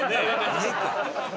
家か。